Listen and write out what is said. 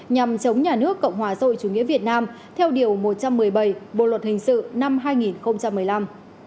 nhằm chống nhà nước cộng hòa rồi chủ nghĩa việt nam theo điều một trăm một mươi bảy bộ luật hình sự năm hai nghìn một mươi năm